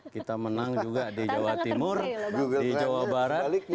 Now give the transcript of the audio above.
kita menang juga di jawa timur di jawa barat